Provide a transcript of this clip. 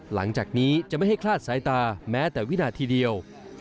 หลังจากนี้จะไม่ให้คลาดสายตาแม้แต่วินาทีเดียว